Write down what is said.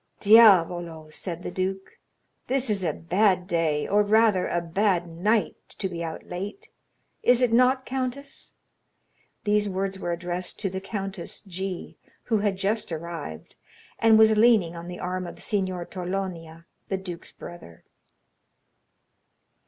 "Diavolo!" said the duke, "this is a bad day, or rather a bad night, to be out late; is it not, countess?" These words were addressed to the Countess G——, who had just arrived, and was leaning on the arm of Signor Torlonia, the duke's brother.